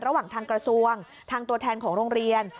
ระหว่างทางกระทรวงทางตัวแทนของโรงเรียน